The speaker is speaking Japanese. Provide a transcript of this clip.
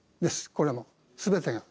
これも、すべてが。